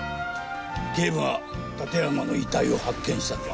警部が館山の遺体を発見したのは。